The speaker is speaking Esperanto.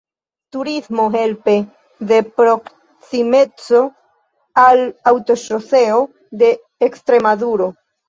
Turismo, helpe de proksimeco al Aŭtoŝoseo de Ekstremaduro.